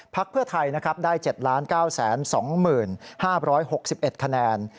ภักร์เพื่อไทยได้๗๙๒๐๕๖๑คะแนน